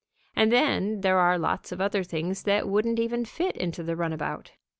And then there are lots of other things that wouldn't even fit into the runabout.